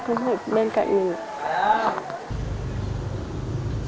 không hút bên cạnh mình